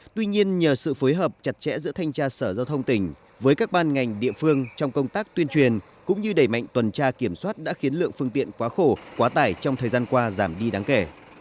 tuy nhiên nhờ sự phối hợp chặt chẽ giữa thanh tra sở giao thông tỉnh với các ban ngành địa phương trong công tác tuyên truyền cũng như đẩy mạnh tuần tra kiểm soát đã khiến lượng phương tiện quá khổ quá tải trong thời gian qua giảm đi đáng kể